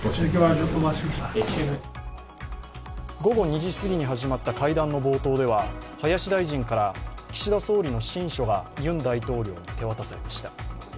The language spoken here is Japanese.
午後２時過ぎに始まった会談の冒頭では林大臣から岸田総理の親書がユン大統領に手渡されました。